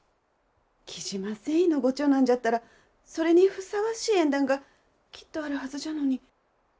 雉真繊維のご長男じゃったらそれにふさわしい縁談がきっとあるはずじゃのに。